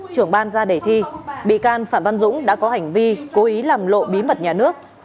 trưởng ban ra đề thi bị can phạm văn dũng đã có hành vi cố ý làm lộ bí mật nhà nước